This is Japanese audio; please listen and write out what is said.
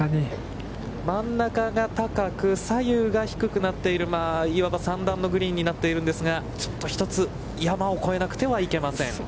真ん中が高く、左右が低くなっている、いわば３段のグリーンになってるんですが、ちょっと一つ、山を越えなくてはいけません。